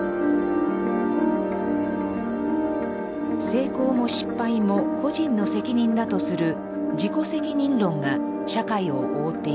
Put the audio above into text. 成功も失敗も個人の責任だとする自己責任論が社会を覆っていきます。